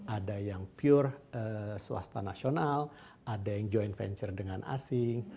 ada yang pure swasta nasional ada yang joint venture dengan asing